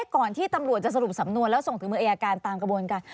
ก่อนที่ตำรวจจะสรุปสำนวนแล้วส่งถึงมืออายการตามกระบวนการ